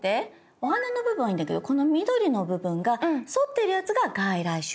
お花の部分はいいんだけどこの緑の部分が反っているやつが外来種。